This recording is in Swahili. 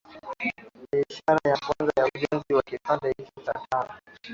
Ni ishara ya kuanza kwa ujenzi wa kipande hicho cha tano